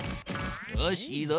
よしいいぞ。